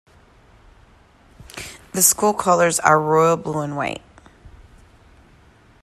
The school colors are royal blue and white.